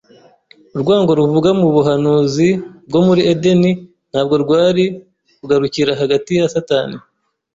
Urwango ruvugwa mu buhanuzi bwo muri Edeni ntabwo rwari kugarukira hagati ya Satani